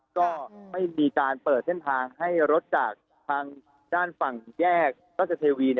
ก็ไม่มีการเปิดเส้นทางให้รถจากทางด้านฝั่งแยกราชเทวี